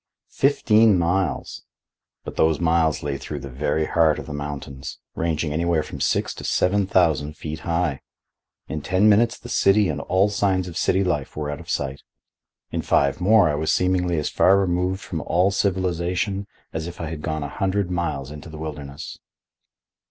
Fifteen miles! but those miles lay through the very heart of the mountains, ranging anywhere from six to seven thousand feet high. In ten minutes the city and all signs of city life were out of sight. In five more I was seemingly as far removed from all civilization as if I had gone a hundred miles into the wilderness.